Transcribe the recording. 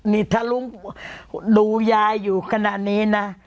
นี่ถ้าลุงดูยายอยู่ขนาดนี้นะ